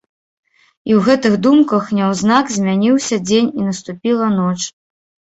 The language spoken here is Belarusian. І ў гэтых думках няўзнак змяніўся дзень і наступіла ноч.